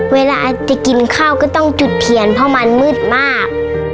เวลาจะกินข้าวก็ต้องจุดเทียนเพราะมันมืดมาก